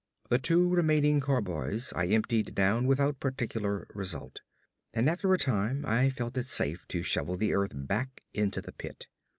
The two remaining carboys I emptied down without particular result, and after a time I felt it safe to shovel the earth back into the pit.